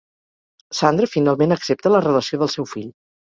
Sandra finalment accepta la relació del seu fill.